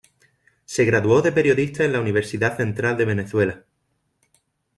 Se graduó de periodista en la Universidad Central de Venezuela.